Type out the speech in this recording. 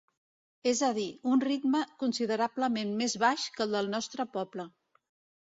És a dir, un ritme considerablement més baix que el del nostre poble.